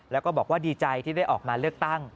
แล้วก็บอกว่าดีใจที่ได้ออกมาเลือกตั้ง